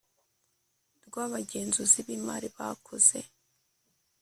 rw abagenzuzi b imali bakoze